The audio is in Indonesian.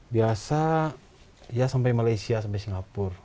biasa ya sampai malaysia sampai singapura